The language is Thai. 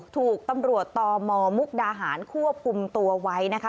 ถูกตำรวจตมมุกดาหารควบคุมตัวไว้นะคะ